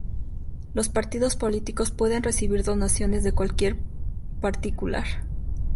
Los partidos políticos pueden recibir donaciones de cualquier particular.